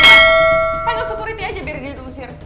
apa gak syukur riti aja biar dia diusir